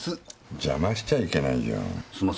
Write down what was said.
邪魔しちゃいけないよ。すいません。